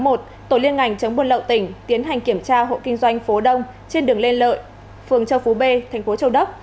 hành chống buôn lậu tỉnh tiến hành kiểm tra hộ kinh doanh phố đông trên đường lên lợi phường châu phú bê thành phố châu đốc